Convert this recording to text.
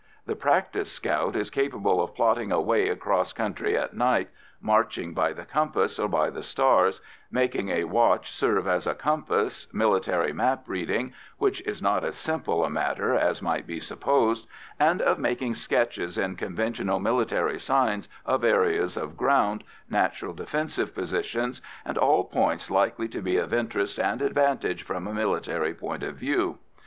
The practised scout is capable of plotting a way across country at night, marching by the compass or by the stars, making a watch serve as a compass, military map reading which is not as simple a matter as might be supposed and of making sketches in conventional military signs of areas of ground, natural defensive positions, and all points likely to be of interest and advantage from a military point of view.